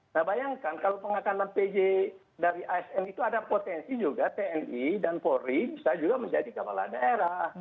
nah bayangkan kalau pengakanan pj dari asn itu ada potensi juga tni dan polri bisa juga menjadi kepala daerah